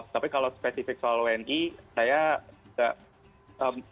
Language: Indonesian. tapi kalau spesifik soal wni saya tidak